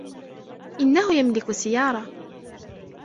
إنه يملك سيارة.